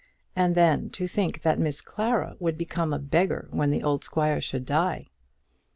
And then, to think that Miss Clara would become a beggar when the old squire should die!